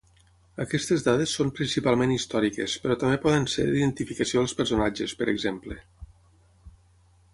Aquestes dades són principalment històriques, però també poden ser d'identificació dels personatges, per exemple.